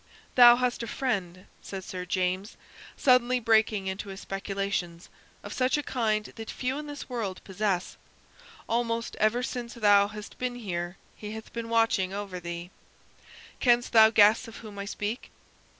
"Thou hast a friend," said Sir James, suddenly breaking into his speculations, "of such a kind that few in this world possess. Almost ever since thou hast been here he hath been watching over thee. Canst thou guess of whom I speak?"